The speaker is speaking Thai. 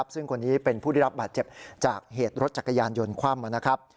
ซึ่งคนนี้เป็นผู้ได้รับบาดเจ็บจากเหตุรถจักรยานยนต์คว่ำนะครับ